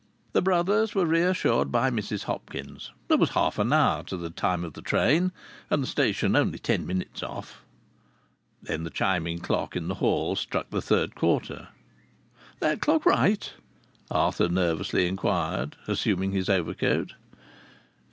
The brothers were reassured by Mrs Hopkins. There was half an hour to the time of the train and the station only ten minutes off. Then the chiming clock in the hall struck the third quarter. "That clock right?" Arthur nervously inquired, assuming his overcoat.